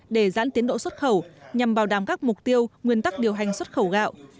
để giãn tiến độ xuất khẩu nhằm bảo đảm các mục tiêu nguyên tắc điều hành xuất khẩu gạo